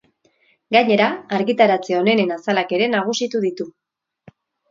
Gainera, argitaratze onenen azalak ere nagusitu ditu.